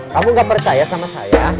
kamu gak percaya sama saya